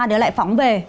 để lại phóng về